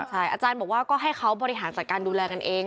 ใช่อาจารย์บอกว่าก็ให้เขาบริหารจัดการดูแลกันเอง